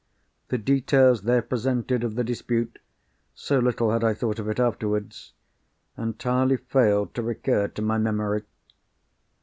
The details there presented of the dispute—so little had I thought of it afterwards—entirely failed to recur to my memory.